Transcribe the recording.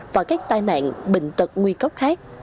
và các tai nạn bệnh tật nguy cốc khác